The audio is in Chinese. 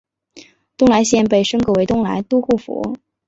东莱县被升格为东莱都护府。